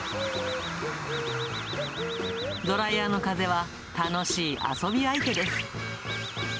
ドライヤーの風は楽しい遊び相手です。